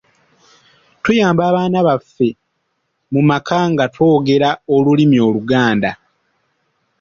Tuyamba abaana baffe mu maka nga twogera olulimi Oluganda